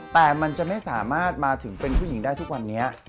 แต่มันจะไม่สามารถมาถึงเป็นผู้หญิงได้ทุกวันนี้